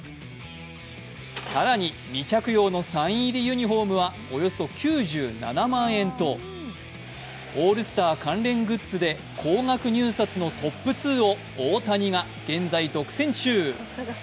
更に、未着用のサイン入りユニフォームはおよそ９７万円と、オールスター関連グッズで高額入札のトップ２を大谷が現在、独占中。